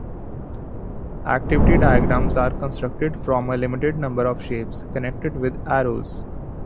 Activity diagrams are constructed from a limited number of shapes, connected with arrows.